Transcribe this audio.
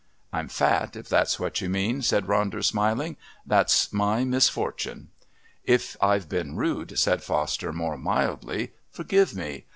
"I'm fat, if that's what you mean," said Ronder smiling. "That's my misfortune." "If I've been rude," said Foster more mildly, "forgive me.